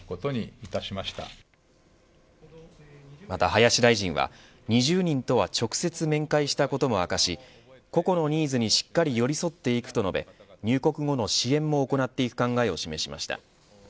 また林大臣は２０人とは直接面会したことも明かし個々のニーズにしっかり寄り添っていくと述べ入国後の支援も行っていく考えを示しました。